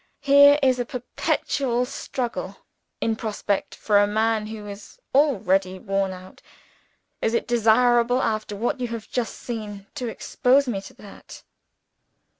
Here is a perpetual struggle in prospect, for a man who is already worn out. Is it desirable, after what you have just seen, to expose me to that?"